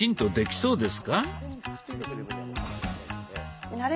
そうです。